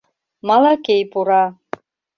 Малакей пура.